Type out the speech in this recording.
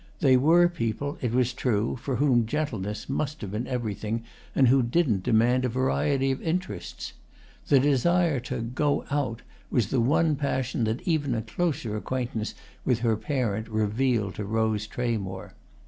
They were people, it was true, for whom gentleness must have been everything and who didn't demand a variety of interests. The desire to "go out" was the one passion that even a closer acquaintance with her parent revealed to Rose Tramore.